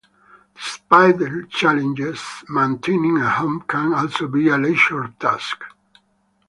Despite the challenges, maintaining a home can also be a leisurely task.